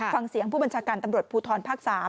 ฟังเสียงผู้บัญชาการตำรวจภูทรภาค๓